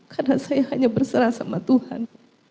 karena saya hanya berserah sama tuhan